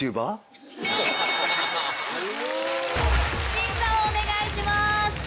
審査をお願いします。